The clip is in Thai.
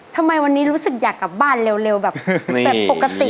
ทำไมวันนี้รู้สึกอยากกลับบ้านเร็วแบบปกติ